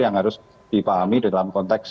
yang harus dipahami dalam konteks